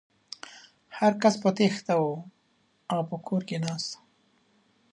هر کس په تېښته و او په کور کې ناست و.